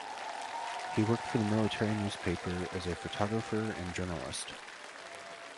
He worked for the military newspaper as a photographer and journalist.